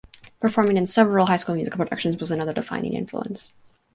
Performing in several highschool musical productions was another defining influence.